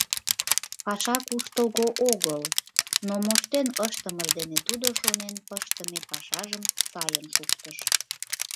Паша куштылго огыл, но моштен ыштымыж дене тудо шонен пыштыме пашажым сайын шуктыш.